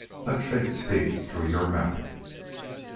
Let fate speak through your mouth."